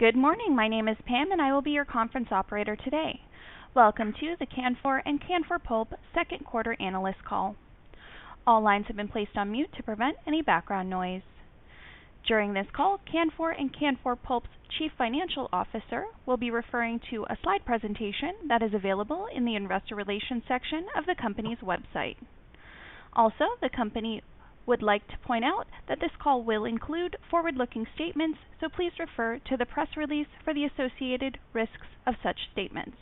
Good morning. My name is Pam, and I will be your conference operator today. Welcome to the Canfor and Canfor Pulp Q2 Analyst Call. All lines have been placed on mute to prevent any background noise. During this call, Canfor and Canfor Pulp's Chief Financial Officer will be referring to a slide presentation that is available in the investor relations section of the company's website. Also, the company would like to point out that this call will include forward-looking statements, so please refer to the press release for the associated risks of such statements.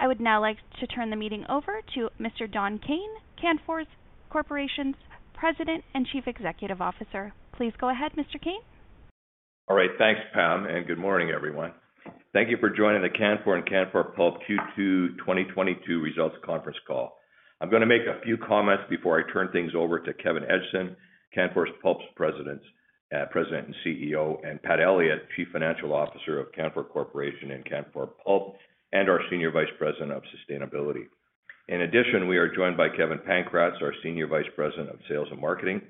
I would now like to turn the meeting over to Mr. Don Kayne, Canfor Corporation's President and Chief Executive Officer. Please go ahead, Mr. Kayne. All right. Thanks, Pam, and good morning, everyone. Thank you for joining the Canfor and Canfor Pulp Q2 2022 Results Conference Call. I'm gonna make a few comments before I turn things over to Kevin Edgson, Canfor Pulp's President and CEO, and Pat Elliott, Chief Financial Officer of Canfor Corporation and Canfor Pulp, and our Senior Vice President of Sustainability. In addition, we are joined by Kevin Pankratz, our Senior Vice President of Sales and Marketing.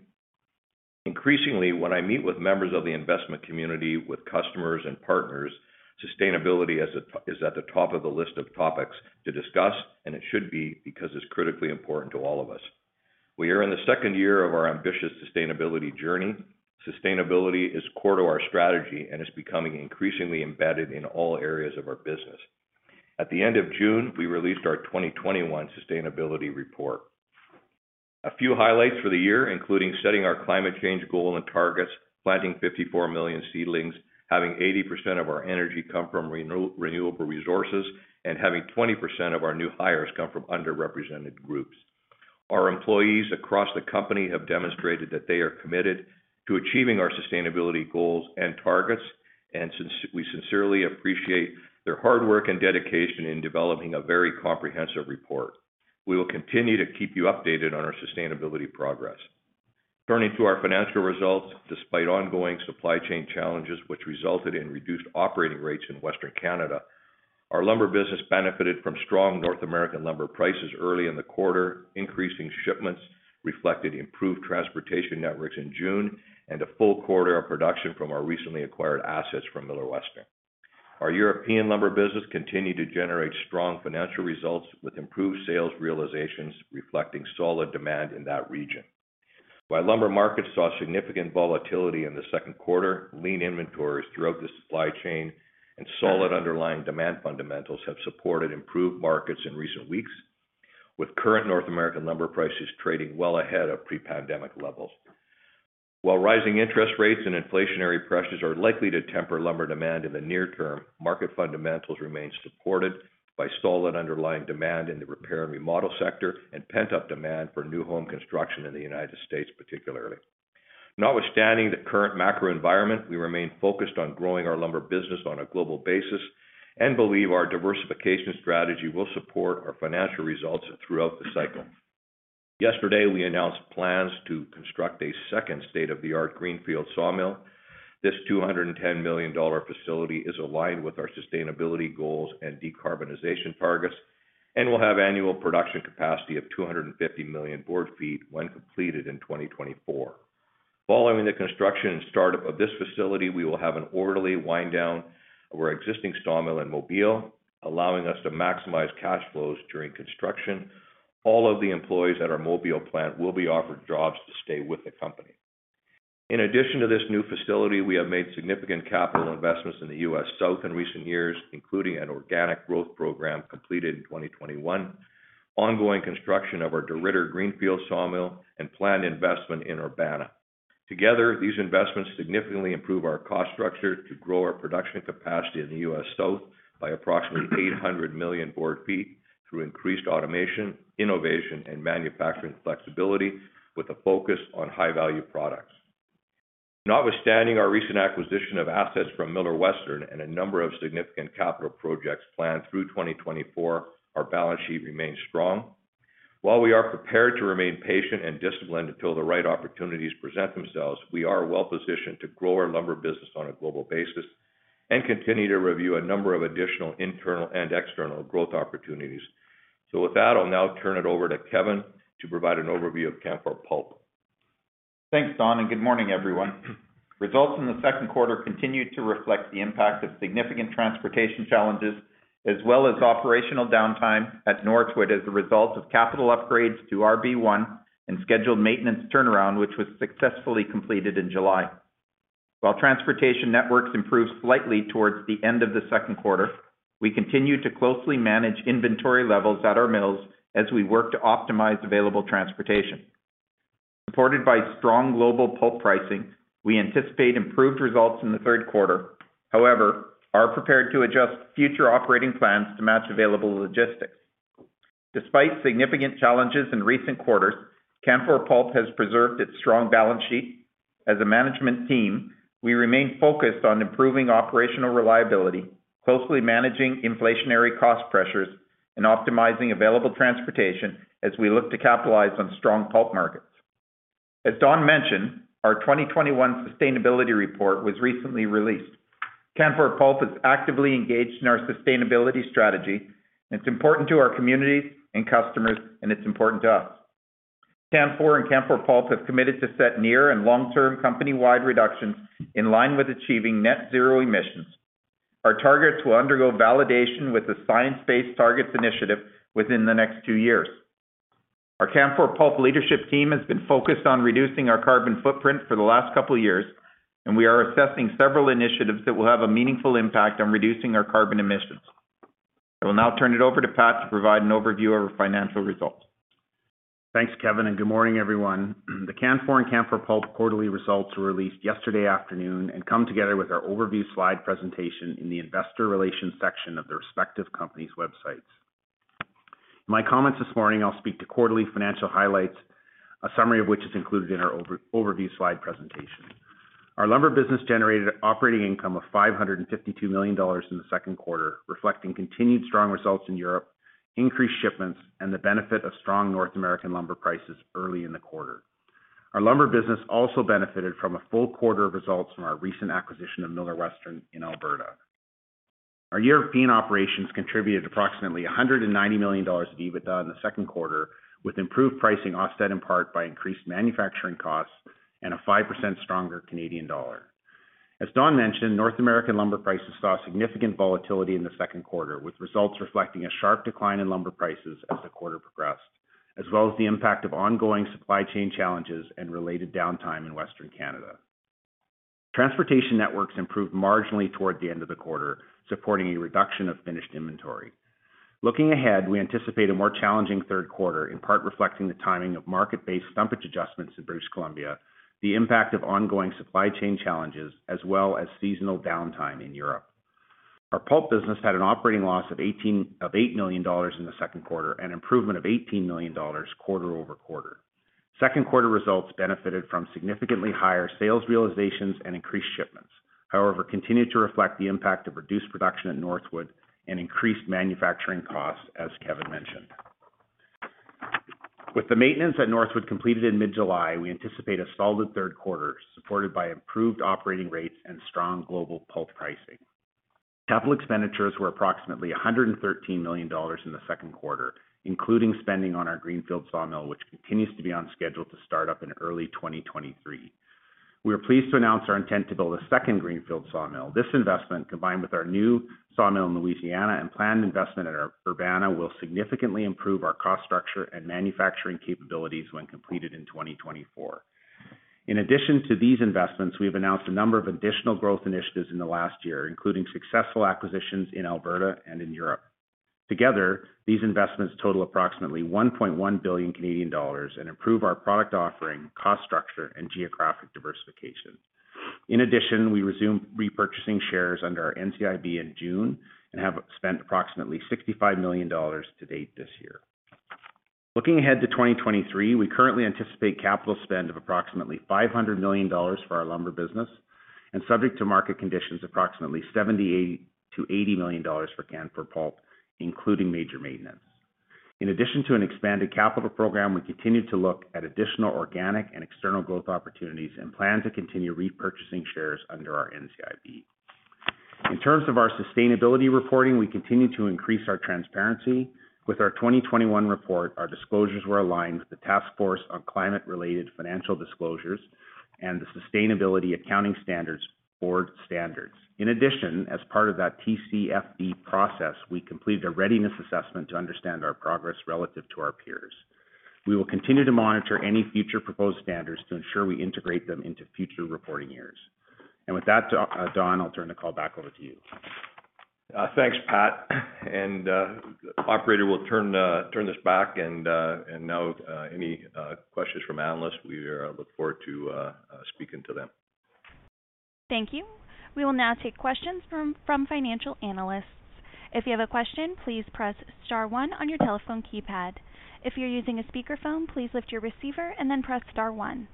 Increasingly, when I meet with members of the investment community, with customers and partners, sustainability is at the top of the list of topics to discuss, and it should be because it's critically important to all of us. We are in the second year of our ambitious sustainability journey. Sustainability is core to our strategy and is becoming increasingly embedded in all areas of our business. At the end of June, we released our 2021 sustainability report. A few highlights for the year including setting our climate change goal and targets, planting 54 million seedlings, having 80% of our energy come from renewable resources, and having 20% of our new hires come from underrepresented groups. Our employees across the company have demonstrated that they are committed to achieving our sustainability goals and targets, and we sincerely appreciate their hard work and dedication in developing a very comprehensive report. We will continue to keep you updated on our sustainability progress. Turning to our financial results, despite ongoing supply chain challenges which resulted in reduced operating rates in Western Canada, our lumber business benefited from strong North American lumber prices early in the quarter, increasing shipments reflected improved transportation networks in June, and a full quarter of production from our recently acquired assets from Millar Western. Our European lumber business continued to generate strong financial results with improved sales realizations reflecting solid demand in that region. While lumber markets saw significant volatility in the Q2, lean inventories throughout the supply chain and solid underlying demand fundamentals have supported improved markets in recent weeks, with current North American lumber prices trading well ahead of pre-pandemic levels. While rising interest rates and inflationary pressures are likely to temper lumber demand in the near term, market fundamentals remain supported by solid underlying demand in the repair and remodel sector and pent-up demand for new home construction in the United States, particularly. Notwithstanding the current macro environment, we remain focused on growing our lumber business on a global basis and believe our diversification strategy will support our financial results throughout the cycle. Yesterday, we announced plans to construct a second state-of-the-art greenfield sawmill. This $210 million facility is aligned with our sustainability goals and decarbonization targets and will have annual production capacity of 250 million board feet when completed in 2024. Following the construction and startup of this facility, we will have an orderly wind down of our existing sawmill in Mobile, allowing us to maximize cash flows during construction. All of the employees at our Mobile plant will be offered jobs to stay with the company. In addition to this new facility, we have made significant capital investments in the U.S. South in recent years, including an organic growth program completed in 2021, ongoing construction of our DeRidder greenfield sawmill and planned investment in Urbana. Together, these investments significantly improve our cost structure to grow our production capacity in the U.S. South by approximately 800 million board feet through increased automation, innovation, and manufacturing flexibility with a focus on high-value products. Notwithstanding our recent acquisition of assets from Millar Western and a number of significant capital projects planned through 2024, our balance sheet remains strong. While we are prepared to remain patient and disciplined until the right opportunities present themselves, we are well-positioned to grow our lumber business on a global basis and continue to review a number of additional internal and external growth opportunities. With that, I'll now turn it over to Kevin to provide an overview of Canfor Pulp. Thanks, Don, and good morning, everyone. Results in the Q2 continued to reflect the impact of significant transportation challenges as well as operational downtime at Northwood as a result of capital upgrades to RB1 and scheduled maintenance turnaround, which was successfully completed in July. While transportation networks improved slightly towards the end of the Q2, we continued to closely manage inventory levels at our mills as we work to optimize available transportation. Supported by strong global pulp pricing, we anticipate improved results in the Q3. However, we are prepared to adjust future operating plans to match available logistics. Despite significant challenges in recent quarters, Canfor Pulp has preserved its strong balance sheet. As a management team, we remain focused on improving operational reliability, closely managing inflationary cost pressures, and optimizing available transportation as we look to capitalize on strong pulp markets. As Don mentioned, our 2021 sustainability report was recently released. Canfor Pulp is actively engaged in our sustainability strategy, and it's important to our communities and customers, and it's important to us. Canfor and Canfor Pulp have committed to set near and long-term company-wide reductions in line with achieving net zero emissions. Our targets will undergo validation with the Science Based Targets initiative within the next two years. Our Canfor Pulp leadership team has been focused on reducing our carbon footprint for the last couple of years, and we are assessing several initiatives that will have a meaningful impact on reducing our carbon emissions. I will now turn it over to Pat to provide an overview of our financial results. Thanks, Kevin, and good morning, everyone. The Canfor and Canfor Pulp quarterly results were released yesterday afternoon and come together with our overview slide presentation in the investor relations section of the respective company's websites. My comments this morning, I'll speak to quarterly financial highlights, a summary of which is included in our overview slide presentation. Our lumber business generated operating income of 552 million dollars in the Q2, reflecting continued strong results in Europe, increased shipments, and the benefit of strong North American lumber prices early in the quarter. Our lumber business also benefited from a full quarter of results from our recent acquisition of Millar Western in Alberta. Our European operations contributed approximately 190 million dollars of EBITDA in the Q2, with improved pricing offset in part by increased manufacturing costs and a 5% stronger Canadian dollar. As Don mentioned, North American lumber prices saw significant volatility in the Q2, with results reflecting a sharp decline in lumber prices as the quarter progressed, as well as the impact of ongoing supply chain challenges and related downtime in Western Canada. Transportation networks improved marginally toward the end of the quarter, supporting a reduction of finished inventory. Looking ahead, we anticipate a more challenging Q3, in part reflecting the timing of market-based stumpage adjustments in British Columbia, the impact of ongoing supply chain challenges, as well as seasonal downtime in Europe. Our pulp business had an operating loss of 8 million dollars in the Q2, an improvement of 18 million dollars quarter-over-quarter. Q2 results benefited from significantly higher sales realizations and increased shipments, however, continued to reflect the impact of reduced production at Northwood and increased manufacturing costs, as Kevin mentioned. With the maintenance at Northwood completed in mid-July, we anticipate a solid Q3, supported by improved operating rates and strong global pulp pricing. Capital expenditures were approximately 113 million dollars in the Q2, including spending on our Greenfield sawmill, which continues to be on schedule to start up in early 2023. We are pleased to announce our intent to build a second Greenfield sawmill. This investment, combined with our new sawmill in Louisiana and planned investment at our Urbana, will significantly improve our cost structure and manufacturing capabilities when completed in 2024. In addition to these investments, we've announced a number of additional growth initiatives in the last year, including successful acquisitions in Alberta and in Europe. Together, these investments total approximately 1.1 billion Canadian dollars and improve our product offering, cost structure, and geographic diversification. In addition, we resumed repurchasing shares under our NCIB in June and have spent approximately 65 million dollars to date this year. Looking ahead to 2023, we currently anticipate capital spend of approximately 500 million dollars for our lumber business, and subject to market conditions, approximately 78 million-80 million dollars for Canfor Pulp, including major maintenance. In addition to an expanded capital program, we continue to look at additional organic and external growth opportunities and plan to continue repurchasing shares under our NCIB. In terms of our sustainability reporting, we continue to increase our transparency. With our 2021 report, our disclosures were aligned with the Task Force on Climate-related Financial Disclosures and the Sustainability Accounting Standards Board standards. In addition, as part of that TCFD process, we completed a readiness assessment to understand our progress relative to our peers. We will continue to monitor any future proposed standards to ensure we integrate them into future reporting years. With that, Don, I'll turn the call back over to you. Thanks, Pat. Operator will turn this back, and now any questions from analysts. We look forward to speaking to them. Thank you. We will now take questions from financial analysts. If you have a question, please press star one on your telephone keypad. If you're using a speakerphone, please lift your receiver and then press star one.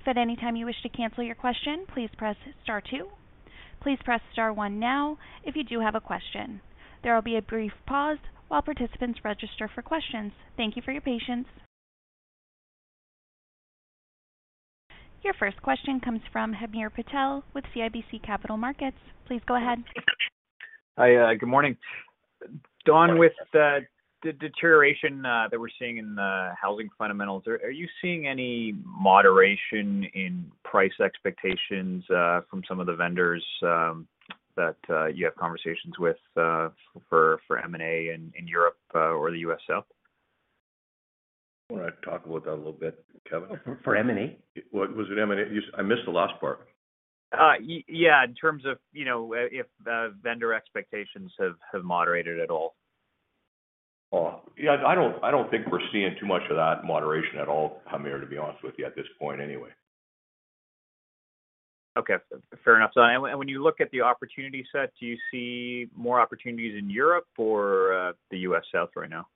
If at any time you wish to cancel your question, please press star two. Please press star one now if you do have a question. There will be a brief pause while participants register for questions. Thank you for your patience. Your first question comes from Hamir Patel with CIBC Capital Markets. Please go ahead. Hi, good morning. Don, with the deterioration that we're seeing in the housing fundamentals, are you seeing any moderation in price expectations from some of the vendors that you have conversations with for M&A in Europe or the U.S. South? Wanna talk about that a little bit, Kevin? For M&A? What was it, M&A? I missed the last part. Yeah. In terms of, you know, if vendor expectations have moderated at all. Oh, yeah. I don't think we're seeing too much of that moderation at all, Hamir, to be honest with you at this point anyway. Okay, fair enough. When you look at the opportunity set, do you see more opportunities in Europe or the U.S. South right now?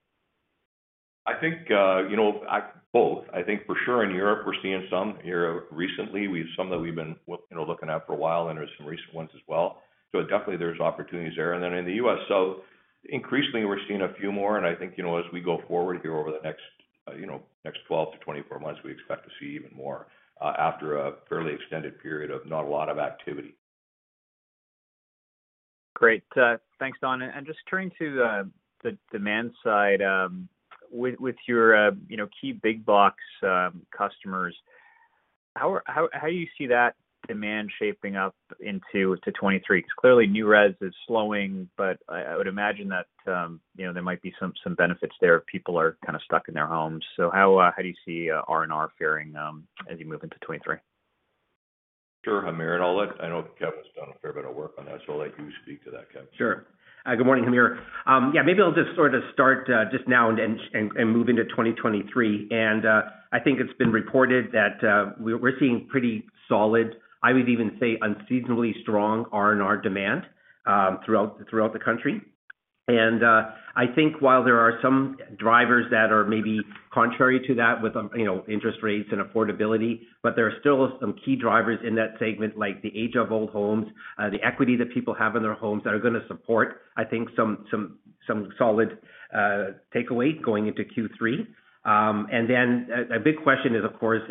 I think, you know, both. I think for sure in Europe, we're seeing some here recently. Some that we've been, you know, looking at for a while, and there's some recent ones as well. Definitely there's opportunities there. In the US, increasingly we're seeing a few more. I think, you know, as we go forward here over the next, you know, next 12-24 months, we expect to see even more, after a fairly extended period of not a lot of activity. Great. Thanks, Don. Just turning to the demand side, with your you know, key big box customers, how do you see that demand shaping up into 2023? Because clearly new res is slowing, but I would imagine that, you know, there might be some benefits there. People are kind of stuck in their homes. How do you see RNR faring, as you move into 2023? Sure, Hamir, I know Kevin's done a fair bit of work on that, so I'll let you speak to that, Kevin. Sure. Good morning, Hamir. Yeah, maybe I'll just sort of start just now and then and move into 2023. I think it's been reported that we're seeing pretty solid, I would even say unseasonably strong RNR demand throughout the country. I think while there are some drivers that are maybe contrary to that with you know, interest rates and affordability, but there are still some key drivers in that segment like the age of old homes, the equity that people have in their homes that are gonna support, I think, some solid takeaway going into Q3. A big question is, of course,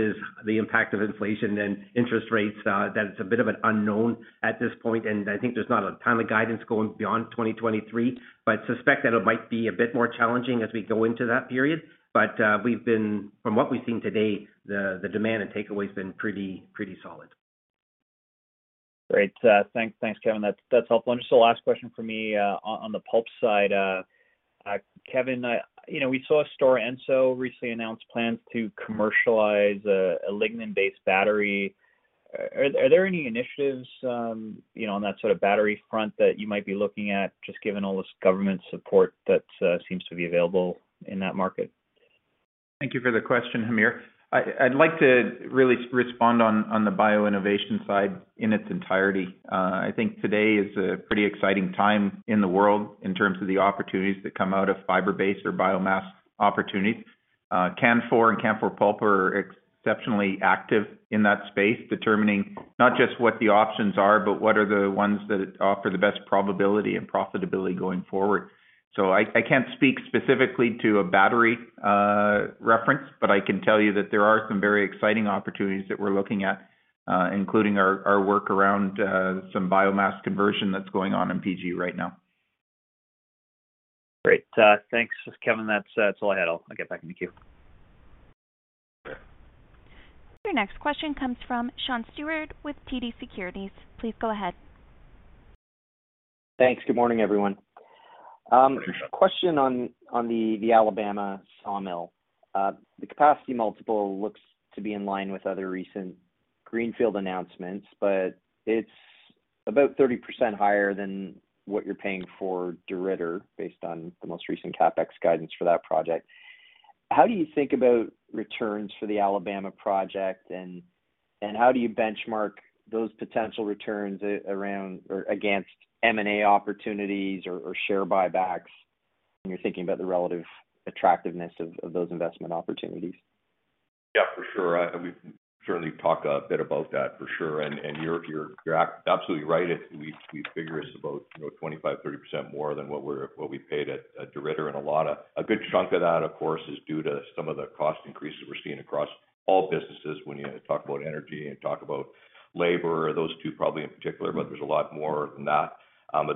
the impact of inflation and interest rates that it's a bit of an unknown at this point. I think there's not a ton of guidance going beyond 2023 but suspect that it might be a bit more challenging as we go into that period. We've been from what we've seen to date, the demand and takeaway have been pretty solid. Great. Thanks, Kevin. That's helpful. Just the last question from me on the pulp side. Kevin, you know, we saw Stora Enso recently announce plans to commercialize a lignin-based battery. Are there any initiatives, you know, on that sort of battery front that you might be looking at, just given all this government support that seems to be available in that market? Thank you for the question, Hamir. I'd like to really respond on the bio innovation side in its entirety. I think today is a pretty exciting time in the world in terms of the opportunities that come out of fiber-based or biomass opportunities. Canfor and Canfor Pulp are exceptionally active in that space, determining not just what the options are, but what are the ones that offer the best probability and profitability going forward. I can't speak specifically to a battery reference, but I can tell you that there are some very exciting opportunities that we're looking at, including our work around some biomass conversion that's going on in PG right now. Great. Thanks, Kevin. That's all I had. I'll get back in the queue. Sure. Your next question comes from Sean Steuart with TD Cowen. Please go ahead. Thanks. Good morning, everyone. Good morning. Question on the Alabama sawmill. The capacity multiple looks to be in line with other recent greenfield announcements, but it's about 30% higher than what you're paying for DeRidder based on the most recent CapEx guidance for that project. How do you think about returns for the Alabama project? And how do you benchmark those potential returns around or against M&A opportunities or share buybacks when you're thinking about the relative attractiveness of those investment opportunities? Yeah, for sure. We can certainly talk a bit about that for sure. You're absolutely right. We figure it's about, you know, 25-30% more than what we paid at DeRidder. A good chunk of that, of course, is due to some of the cost increases we're seeing across all businesses when you talk about energy and talk about labor, those two probably in particular, but there's a lot more than that.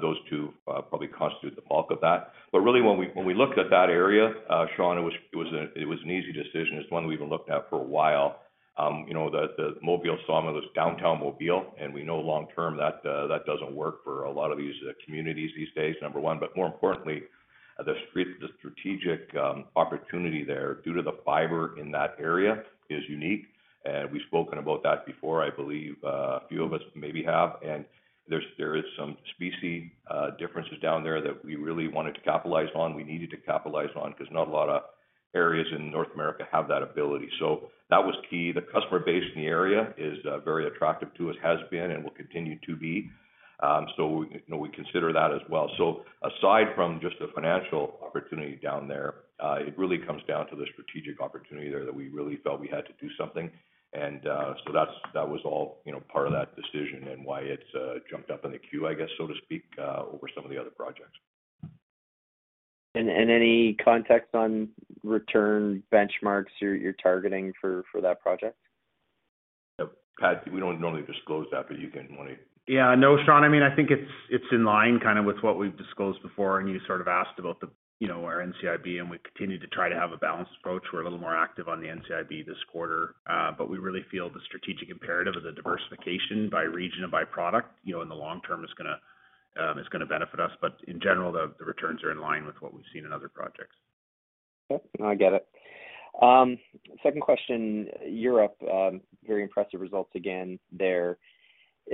Those two probably constitute the bulk of that. Really when we looked at that area, Sean, it was an easy decision. It's one we even looked at for a while. You know, the Mobile sawmill is downtown Mobile, and we know long term that that doesn't work for a lot of these communities these days, number one. More importantly, the strategic opportunity there due to the fiber in that area is unique. We've spoken about that before, I believe a few of us maybe have. There is some species differences down there that we really wanted to capitalize on. We needed to capitalize on because not a lot of areas in North America have that ability. That was key. The customer base in the area is very attractive to us, has been and will continue to be. You know, we consider that as well. Aside from just the financial opportunity down there, it really comes down to the strategic opportunity there that we really felt we had to do something. That was all, you know, part of that decision and why it's jumped up in the queue, I guess, so to speak, over some of the other projects. Any context on return benchmarks you're targeting for that project? Yeah. Pat, we don't normally disclose that, but you want to- Yeah. No, Sean, I mean, I think it's in line kind of with what we've disclosed before. You sort of asked about the, you know, our NCIB, and we continue to try to have a balanced approach. We're a little more active on the NCIB this quarter. We really feel the strategic imperative of the diversification by region and by product, you know, in the long term is gonna benefit us. In general, the returns are in line with what we've seen in other projects. Okay. No, I get it. Second question, Europe, very impressive results again there.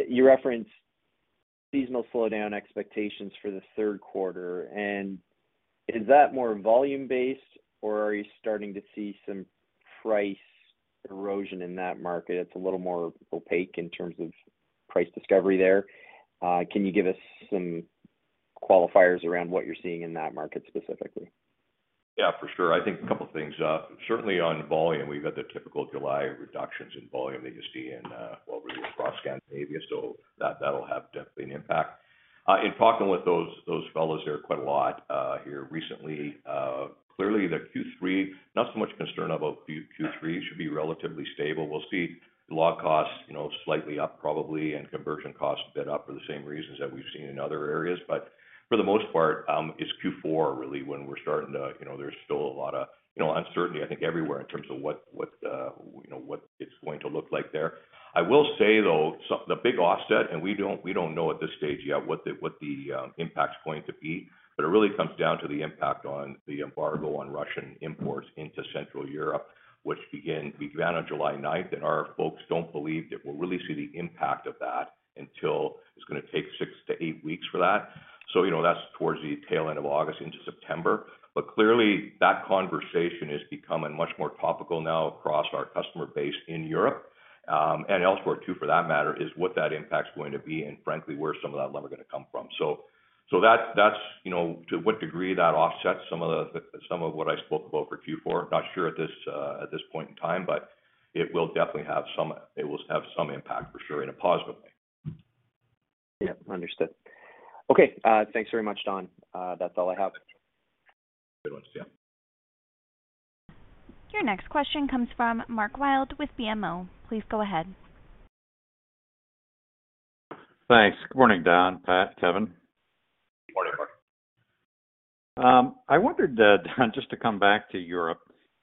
You referenced seasonal slowdown expectations for the Q3. Is that more volume-based or are you starting to see some price erosion in that market? It's a little more opaque in terms of price discovery there. Can you give us some qualifiers around what you're seeing in that market specifically? Yeah, for sure. I think a couple of things. Certainly on volume, we've had the typical July reductions in volume that you see in, well, really across Scandinavia. That'll have definitely an impact. In talking with those fellows there quite a lot here recently, clearly Q3 not so much concern about Q3 should be relatively stable. We'll see log costs, you know, slightly up probably, and conversion costs a bit up for the same reasons that we've seen in other areas. For the most part, it's Q4 really when we're starting to, you know. There's still a lot of, you know, uncertainty I think everywhere in terms of what, you know, what it's going to look like there. I will say though, the big offset and we don't know at this stage yet what the impact's going to be, but it really comes down to the impact on the embargo on Russian imports into Central Europe, which began on July ninth. Our folks don't believe that we'll really see the impact of that until it's gonna take six-eight weeks for that. You know, that's towards the tail end of August into September. Clearly that conversation is becoming much more topical now across our customer base in Europe, and elsewhere too for that matter, is what that impact's going to be and frankly, where some of that lumber gonna come from. That's, you know, to what degree that offsets some of what I spoke about for Q4, not sure at this point in time, but it will definitely have some impact for sure in a positive way. Yeah. Understood. Okay. Thanks very much, Don. That's all I have. Good one. See you. Your next question comes from Mark Wilde with BMO. Please go ahead. Thanks. Good morning, Don, Pat, Kevin. Morning, Mark. I wondered, Don, just to come back to Europe,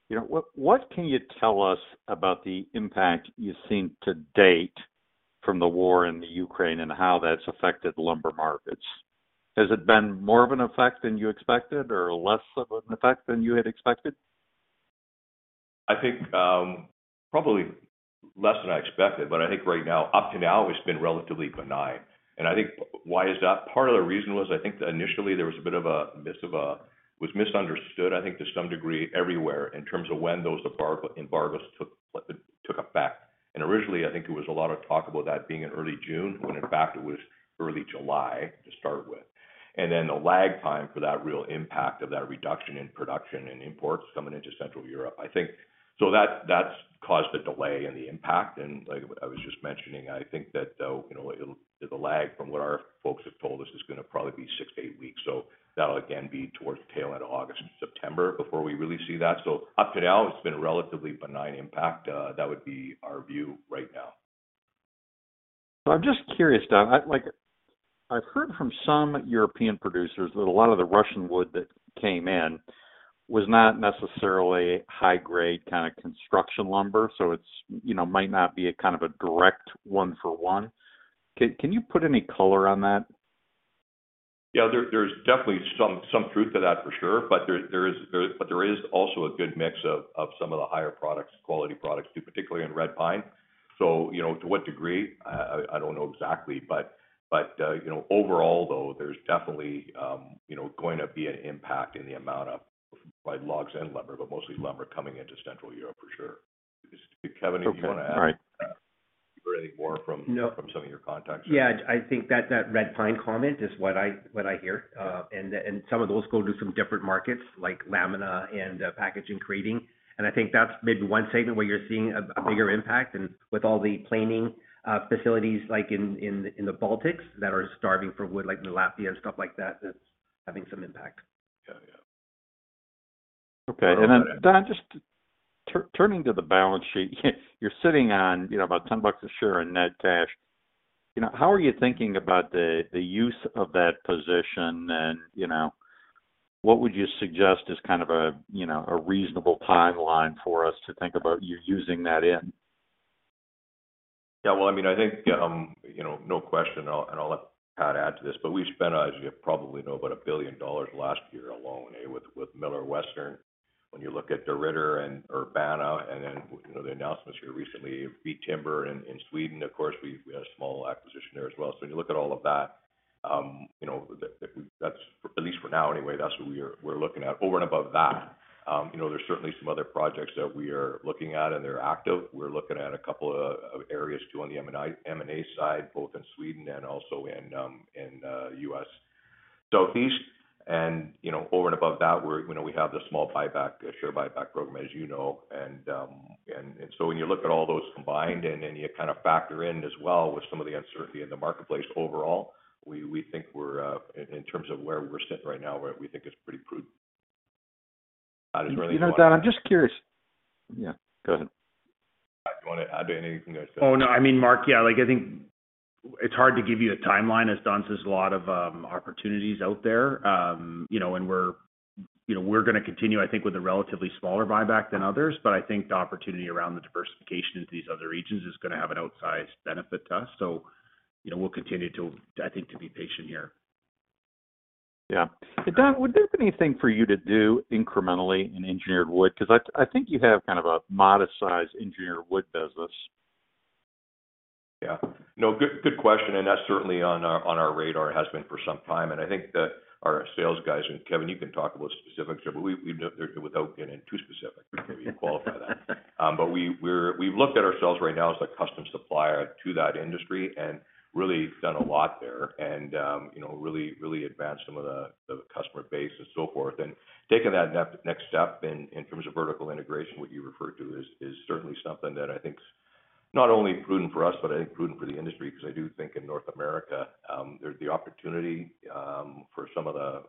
you know, what can you tell us about the impact you've seen to date from the war in the Ukraine and how that's affected lumber markets? Has it been more of an effect than you expected or less of an effect than you had expected? I think probably less than I expected, but I think right now, up to now, it's been relatively benign. I think why is that? Part of the reason was I think that initially there was a bit of a misunderstanding, I think to some degree everywhere in terms of when those embargoes took effect. Originally, I think it was a lot of talk about that being in early June, when in fact it was early July to start with. Then the lag time for that real impact of that reduction in production and imports coming into Central Europe. I think that's caused a delay in the impact. Like I was just mentioning, I think that, though, you know, it'll be the lag from what our folks have told us is gonna probably be six-eight weeks. That'll again be towards the tail end of August and September before we really see that. Up to now, it's been a relatively benign impact. That would be our view right now. I'm just curious, Don. Like I've heard from some European producers that a lot of the Russian wood that came in was not necessarily high grade kind of construction lumber. It's, you know, might not be a kind of a direct one for one. Can you put any color on that? Yeah. There's definitely some truth to that for sure. But there is also a good mix of some of the higher quality products too, particularly in red pine. You know, to what degree, I don't know exactly. But you know, overall though, there's definitely you know, going to be an impact in the amount of like logs and lumber, but mostly lumber coming into Central Europe for sure. Kevin, if you wanna add. Okay. All right. Or anything more from- No from some of your contacts. I think that red pine comment is what I hear. Some of those go to some different markets like lamstock and packaging and crating. I think that's maybe one segment where you're seeing a bigger impact. With all the planing facilities like in the Baltics that are starving for wood like in Latvia and stuff like that's having some impact. Yeah, yeah. Okay. Don, just turning to the balance sheet, you're sitting on, you know, about $10 a share in net cash. You know, how are you thinking about the use of that position? You know, what would you suggest as kind of a, you know, a reasonable timeline for us to think about you using that in? Yeah. Well, I mean, I think, you know, no question. I'll let Pat add to this, but we've spent, as you probably know, about 1 billion dollars last year alone with Millar Western. When you look at DeRidder and Urbana and then, you know, the announcements here recently, Vida Timber in Sweden, of course, we had a small acquisition there as well. When you look at all of that, you know, that's at least for now anyway, that's what we're looking at. Over and above that, you know, there's certainly some other projects that we are looking at, and they're active. We're looking at a couple of areas too on the M&A side, both in Sweden and also in U.S. Southeast. You know, over and above that, we're, you know, we have the small buyback, share buyback program, as you know. So when you look at all those combined and you kind of factor in as well with some of the uncertainty in the marketplace overall, we think we're in terms of where we're sitting right now, where we think is pretty prudent. Pat, is there anything you wanna add? You know what, Don? I'm just curious. Yeah, go ahead. Pat, do you wanna add anything there? Oh, no. I mean, Mark, yeah, like, I think it's hard to give you a timeline. As Don says, a lot of opportunities out there. You know, we're gonna continue, I think, with a relatively smaller buyback than others. I think the opportunity around the diversification in these other regions is gonna have an outsized benefit to us. You know, we'll continue to, I think, be patient here. Yeah. Don, would there be anything for you to do incrementally in engineered wood? 'Cause I think you have kind of a modest size engineered wood business. Yeah. No, good question. That's certainly on our radar, has been for some time. I think that our sales guys, and Kevin, you can talk about specifics, but without getting too specific, maybe you qualify that. We've looked at ourselves right now as a custom supplier to that industry and really done a lot there and, you know, really advanced some of the customer base and so forth. Taking that next step in terms of vertical integration, what you referred to, is certainly something that I think's Not only prudent for us, but I think prudent for the industry, because I do think in North America, the opportunity for some of the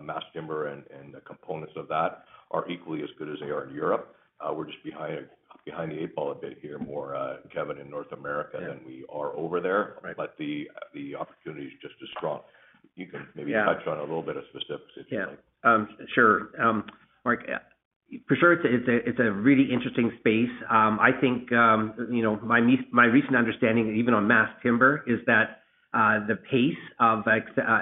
mass timber and the components of that are equally as good as they are in Europe. We're just behind the eight ball a bit here more, Kevin, in North America. Yeah. than we are over there. Right. The opportunity is just as strong. You can maybe. Yeah. Touch on a little bit of specifics, if you like. Yeah. Sure. Mark, for sure, it's a really interesting space. I think, you know, my recent understanding, even on mass timber, is that the pace of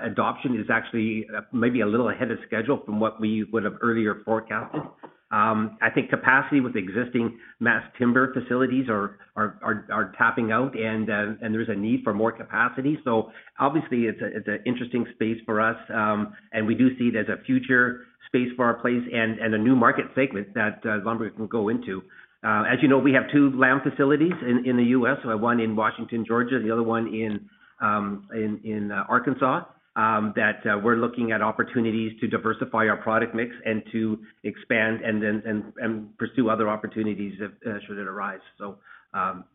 adoption is actually maybe a little ahead of schedule from what we would have earlier forecasted. I think capacity with existing mass timber facilities are tapping out and there's a need for more capacity. Obviously it's a interesting space for us, and we do see it as a future space for our play and a new market segment that lumber will go into. As you know, we have two lam facilities in the U.S., one in Washington, Georgia, the other one in Arkansas, that we're looking at opportunities to diversify our product mix and to expand and then pursue other opportunities if should it arise.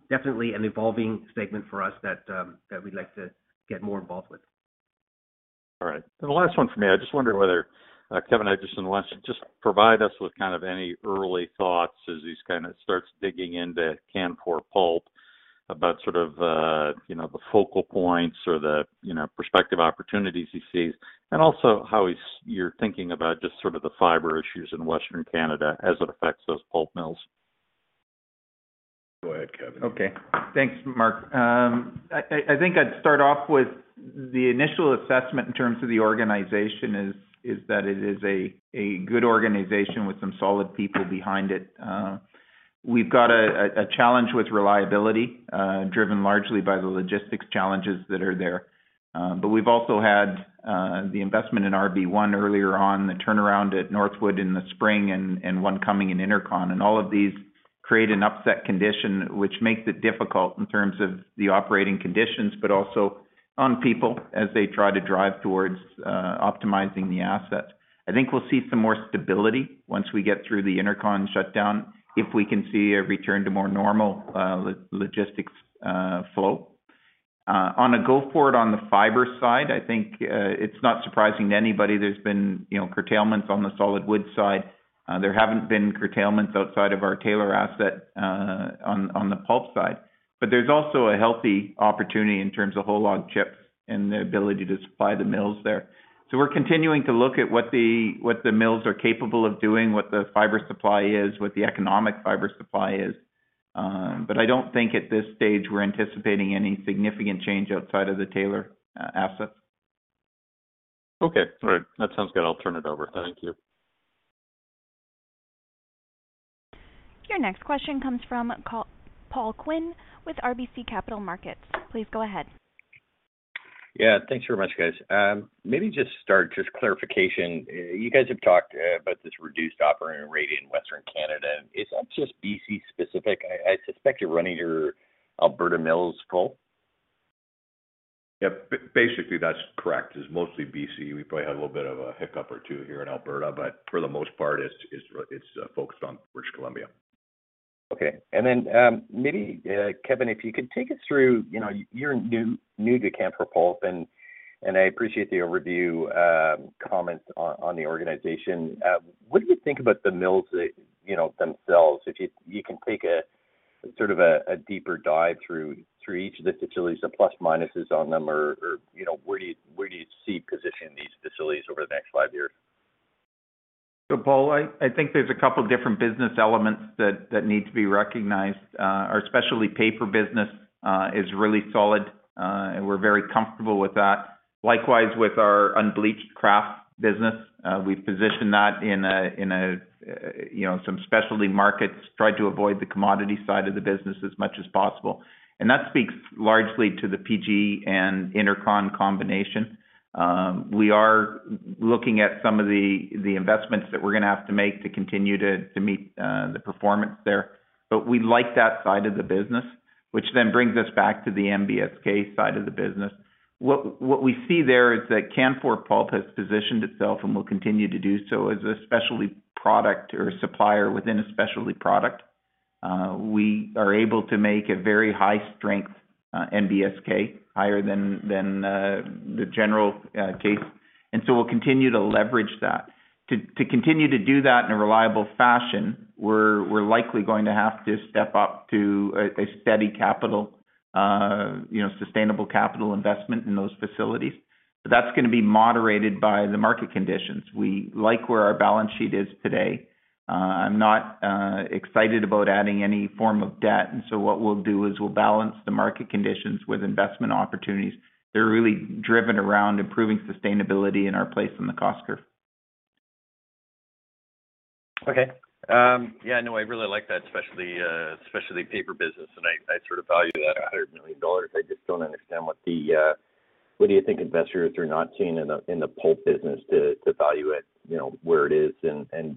Definitely an evolving segment for us that we'd like to get more involved with. All right. The last one from me, I just wonder whether, Kevin Edgson wants to just provide us with kind of any early thoughts as he's kind of starts digging into Canfor Pulp about sort of, you know, the focal points or the, you know, prospective opportunities he sees, and also how you're thinking about just sort of the fiber issues in Western Canada as it affects those pulp mills. Go ahead, Kevin. Okay. Thanks, Mark. I think I'd start off with the initial assessment in terms of the organization is that it is a good organization with some solid people behind it. We've got a challenge with reliability driven largely by the logistics challenges that are there. We've also had the investment in RB1 earlier on, the turnaround at Northwood in the spring, and one coming in Intercon. All of these create an upset condition, which makes it difficult in terms of the operating conditions, but also on people as they try to drive towards optimizing the asset. I think we'll see some more stability once we get through the Intercon shutdown, if we can see a return to more normal logistics flow. On a go-forward on the fiber side, I think, it's not surprising to anybody there's been, you know, curtailments on the solid wood side. There haven't been curtailments outside of our Taylor asset, on the pulp side. There's also a healthy opportunity in terms of whole log chips and the ability to supply the mills there. We're continuing to look at what the mills are capable of doing, what the fiber supply is, what the economic fiber supply is. I don't think at this stage we're anticipating any significant change outside of the Taylor assets. Okay. All right. That sounds good. I'll turn it over. Thank you. Your next question comes from Paul Quinn with RBC Capital Markets. Please go ahead. Yeah. Thanks very much, guys. Maybe just start, just clarification. You guys have talked about this reduced operating rate in Western Canada. Is that just BC specific? I suspect you're running your Alberta mills full. Yeah. Basically, that's correct. It's mostly BC. We probably had a little bit of a hiccup or two here in Alberta, but for the most part, it's focused on British Columbia. Maybe Kevin, if you could take us through, you know, you're new to Canfor Pulp, and I appreciate the overview, comments on the organization. What do you think about the mills themselves? If you can take a sort of a deeper dive through each of the facilities, the pluses and minuses on them, or you know, where do you see positioning these facilities over the next five years? Paul, I think there's a couple different business elements that need to be recognized. Our specialty paper business is really solid, and we're very comfortable with that. Likewise, with our unbleached kraft business, we've positioned that in a, you know, some specialty markets, tried to avoid the commodity side of the business as much as possible. That speaks largely to the PG and Intercon combination. We are looking at some of the investments that we're gonna have to make to continue to meet the performance there. We like that side of the business, which then brings us back to the NBSK side of the business. What we see there is that Canfor Pulp has positioned itself and will continue to do so as a specialty product or supplier within a specialty product. We are able to make a very high strength NBSK, higher than the general case. We'll continue to leverage that. To continue to do that in a reliable fashion, we're likely going to have to step up to a steady capital, you know, sustainable capital investment in those facilities. That's gonna be moderated by the market conditions. We like where our balance sheet is today. I'm not excited about adding any form of debt. What we'll do is we'll balance the market conditions with investment opportunities that are really driven around improving sustainability in our place in the cost curve. Okay. Yeah, no, I really like that, especially paper business. I sort of value that at 100 million dollars. I just don't understand what do you think investors are not seeing in the pulp business to value it, you know, where it is and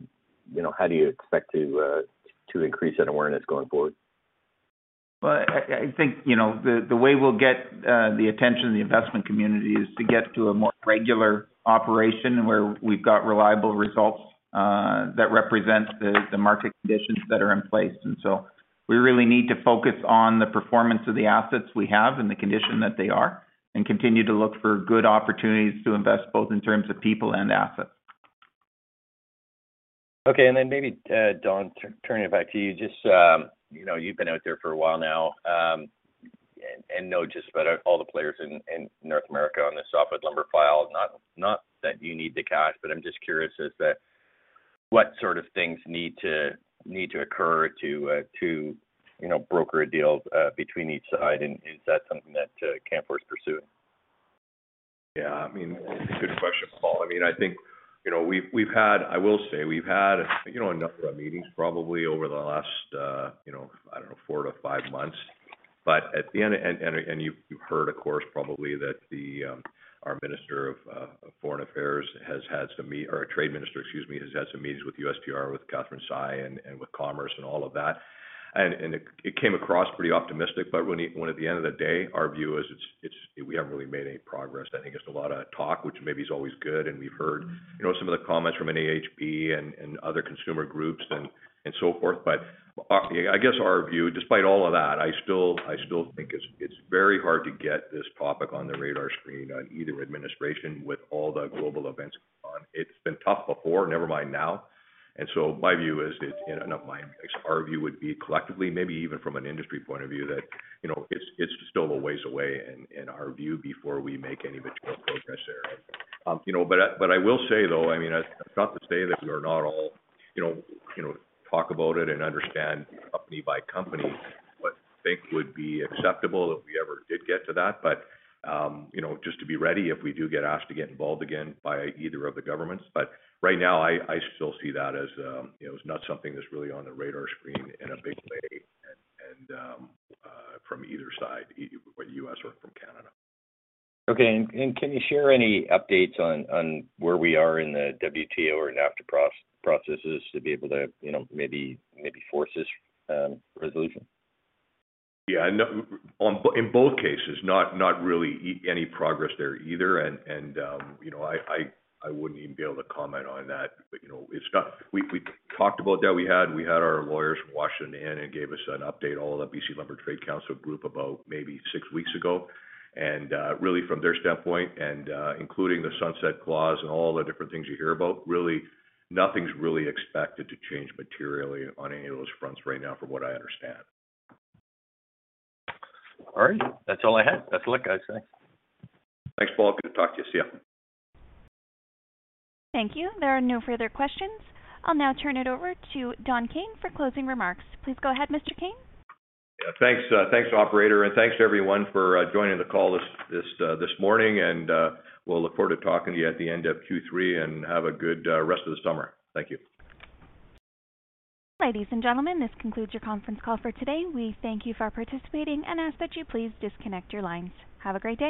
you know, how do you expect to increase that awareness going forward? I think, you know, the way we'll get the attention of the investment community is to get to a more regular operation where we've got reliable results that represent the market conditions that are in place. We really need to focus on the performance of the assets we have and the condition that they are, and continue to look for good opportunities to invest, both in terms of people and assets. Okay. Maybe, Don, turning back to you, just, you know, you've been out there for a while now, and know just about all the players in North America on the softwood lumber file. Not that you need the cash, but I'm just curious as to what sort of things need to occur to, you know, broker a deal between each side, and is that something that Canfor's pursuing? Yeah. I mean, good question, Paul. I mean, I think, you know, we've had a number of meetings probably over the last, you know, I don't know, four to five months. But at the end and you've heard, of course, probably that our minister of foreign affairs or trade minister, excuse me, has had some meetings with USTR, with Katherine Tai, and with Commerce and all of that. It came across pretty optimistic. But when at the end of the day, our view is it's we haven't really made any progress. I think it's a lot of talk, which maybe is always good. We've heard, you know, some of the comments from NAHB and other consumer groups and so forth. I guess our view, despite all of that, I still think it's very hard to get this topic on the radar screen on either administration with all the global events going on. It's been tough before, never mind now. Our view would be collectively, maybe even from an industry point of view, that, you know, it's still a ways away in our view before we make any actual progress there. You know, I will say though, I mean, it's not to say that we are not all, you know, talk about it and understand company by company what we think would be acceptable if we ever did get to that. You know, just to be ready if we do get asked to get involved again by either of the governments. Right now, I still see that as, you know, as not something that's really on the radar screen in a big way and, from either side, either U.S. or from Canada. Okay. Can you share any updates on where we are in the WTO or NAFTA processes to be able to, you know, maybe force this resolution? Yeah, I know in both cases, not really any progress there either. You know, I wouldn't even be able to comment on that. You know, it's got. We talked about that. We had our lawyers from Washington in and gave us an update, all the BC Lumber Trade Council group about maybe six weeks ago. Really from their standpoint and including the sunset clause and all the different things you hear about, really, nothing's really expected to change materially on any of those fronts right now, from what I understand. All right. That's all I had. That's luck, I say. Thanks, Paul. Good to talk to you. See ya. Thank you. There are no further questions. I'll now turn it over to Don Kayne for closing remarks. Please go ahead, Mr. Kayne. Yeah, thanks. Thanks, operator, and thanks to everyone for joining the call this morning. We'll look forward to talking to you at the end of Q3, and have a good rest of the summer. Thank you. Ladies and gentlemen, this concludes your conference call for today. We thank you for participating and ask that you please disconnect your lines. Have a great day.